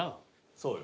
そうよ。